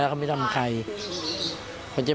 แม่ของแม่แม่ของแม่